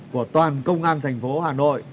của toàn công an thành phố hà nội